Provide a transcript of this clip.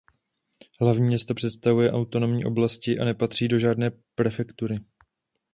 Hlavní město představuje autonomní oblast a nepatří do žádné prefektury.